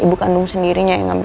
lu lar dah mata gue